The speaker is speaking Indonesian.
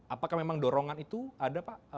apakah memang dorongan itu ada pak